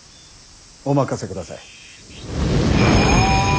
お任せください。